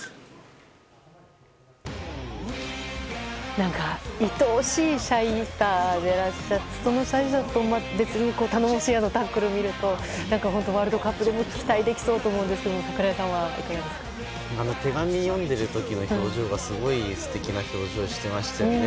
何か愛おしいシャイさでそのシャイさとは別に頼もしいタックルを見るとワールドカップでも期待できそうと思うんですけど手紙を読んでいる時の表情がすごく素敵な表情をしていましたよね